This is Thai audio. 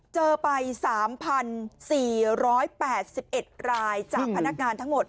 เจอไป๓๔๘๑รายจากพนักงานทั้งหมด